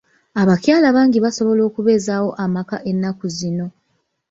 Abakyala bangi basobola okubeezawo amaka ennaku zino .